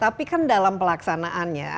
tapi dalam pelaksanaannya